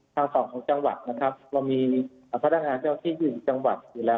ทางฝั่งของจังหวัดนะครับเรามีพนักงานเจ้าที่อยู่จังหวัดอยู่แล้ว